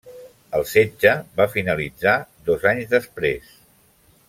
El setge va finalitzar dos anys després.